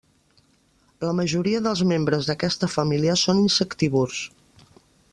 La majoria dels membres d'aquesta família són insectívors.